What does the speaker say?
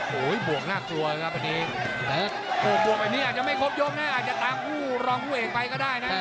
โอ้โหบวกน่ากลัวครับวันนี้แต่บวกแบบนี้อาจจะไม่ครบยกนะอาจจะตามคู่รองคู่เอกไปก็ได้นะ